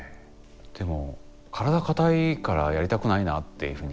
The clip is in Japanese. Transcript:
でも体硬いからやりたくないなっていうふうに。